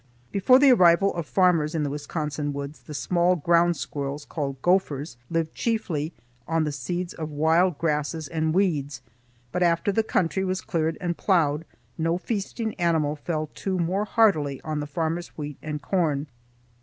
Before the arrival of farmers in the Wisconsin woods the small ground squirrels, called "gophers," lived chiefly on the seeds of wild grasses and weeds, but after the country was cleared and ploughed no feasting animal fell to more heartily on the farmer's wheat and corn.